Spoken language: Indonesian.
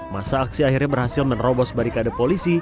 masa aksi akhirnya berhasil menerobos barikade polisi